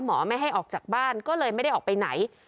หมอไม่ให้ออกจากบ้านก็เลยไม่ได้ออกไปไหน